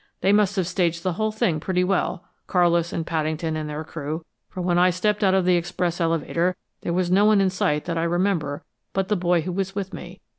They must have staged the whole thing pretty well Carlis and Paddington and their crew for when I stepped out of the express elevator, there was no one in sight that I remember but the boy who was with me.